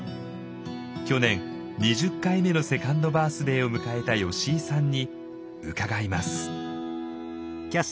去年２０回目のセカンドバースデーを迎えた吉井さんに伺います。